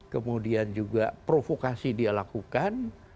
kemudian juga provokasi dia lakukan